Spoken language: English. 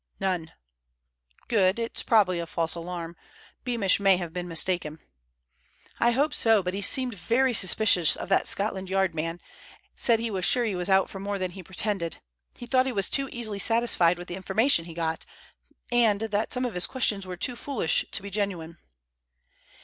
"None." "Good. It's probably a false alarm. Beamish may have been mistaken." "I hope so, but he seemed very suspicious of that Scotland Yard man—said he was sure he was out for more than he pretended. He thought he was too easily satisfied with the information he got, and that some of his questions were too foolish to be genuine."